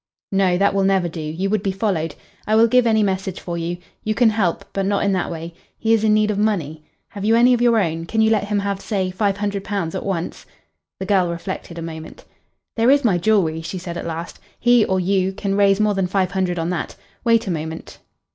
"No, that will never do. You would be followed. I will give any message for you. You can help, but not in that way. He is in need of money. Have you any of your own? Can you let him have, say, five hundred pounds at once?" The girl reflected a moment. "There is my jewellery," she said at last. "He or you can raise more than five hundred on that. Wait a moment."